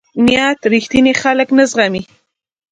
کوږ نیت رښتیني خلک نه زغمي